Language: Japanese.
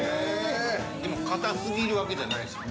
でもかたすぎるわけじゃないし。